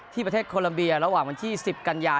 ประเทศโคลัมเบียระหว่างวันที่๑๐กันยา